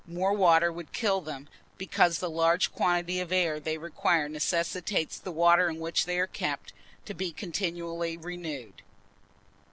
More water would kill them, because the large quantity of air they require necessitates the water in which they are kept, to be continually renewed.